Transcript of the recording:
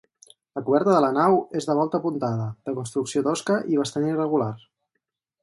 La coberta de la nau és de volta apuntada, de construcció tosca i bastant irregular.